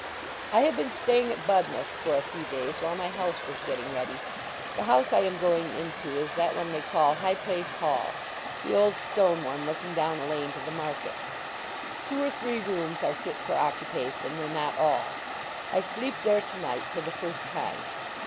"I have been staying at Budmouth for a few days while my house was getting ready. The house I am going into is that one they call High Place Hall—the old stone one looking down the lane to the market. Two or three rooms are fit for occupation, though not all: I sleep there to night for the first time.